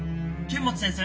剣持先生！？